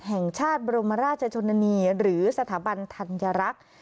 แห่งชาติบรมราชชนนานีหรือสถาบันธัญรักษ์